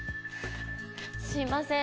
すいません。